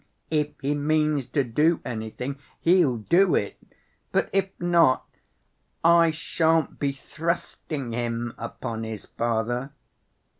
If he means to do anything, he'll do it; but if not, I shan't be thrusting him upon his father."